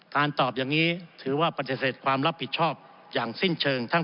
ตอบอย่างนี้ถือว่าปฏิเสธความรับผิดชอบอย่างสิ้นเชิง